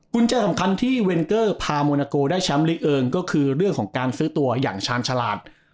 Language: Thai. แจสำคัญที่เวนเกอร์พาโมนาโกได้แชมป์ลีกเอิงก็คือเรื่องของการซื้อตัวอย่างชาญฉลาด